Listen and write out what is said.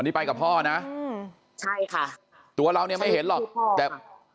นี่ไปกับพ่อนะอืมใช่ค่ะตัวเราเนี่ยไม่เห็นหรอกแต่